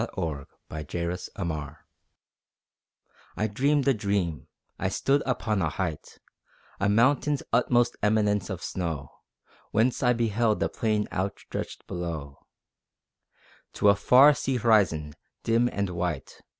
THE LAST NIGHT I dreamed a dream: I stood upon a height, A mountain's utmost eminence of snow, Whence I beheld the plain outstretched below To a far sea horizon, dim and white.